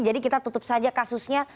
jadi kita tutup saja kasusnya